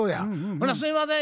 「ほなすいません